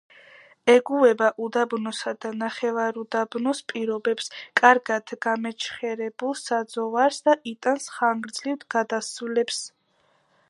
ეგუება უდაბნოსა და ნახევარუდაბნოს პირობებს, კარგად გამეჩხერებულ საძოვარს და იტანს ხანგრძლივ გადასვლებს.